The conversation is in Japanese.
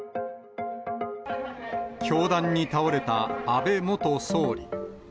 凶弾に倒れた安倍元総理。